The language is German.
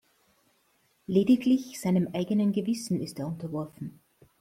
Lediglich seinem eigenen Gewissen ist er unterworfen.